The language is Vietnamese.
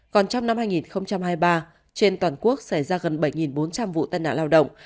còn trong năm hai nghìn hai mươi ba trên toàn quốc xảy ra gần bảy bốn trăm linh vụ tai nạn lao động